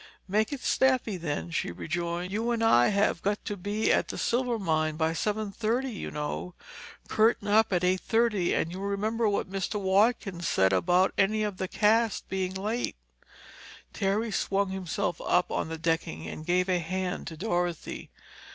"Make it snappy, then," she rejoined. "You and I have got to be at Silvermine by seven thirty, you know. Curtain up at eight thirty—and you remember what Mr. Watkins said about any of the cast being late?" Terry swung himself up on the decking and gave a hand to Dorothy.